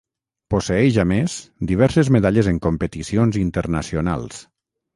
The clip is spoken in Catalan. Posseeix a més diverses medalles en competicions internacionals.